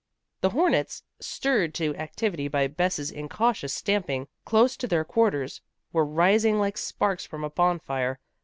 The hornets, stirred to activity by Bess's incautious stamping close to their quarters, were rising like sparks from a bonfire.